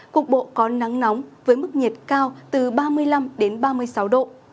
cục bộ có nắng nóng với mức nhiệt cao từ ba mươi năm đến ba mươi sáu độ